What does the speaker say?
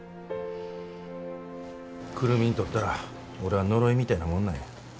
久留美にとったら俺は呪いみたいなもんなんや。